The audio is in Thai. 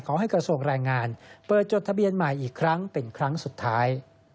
กระทรวงแรงงานเปิดจดทะเบียนใหม่อีกครั้งเป็นครั้งสุดท้าย